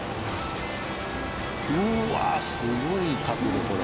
うわっすごい角度これ。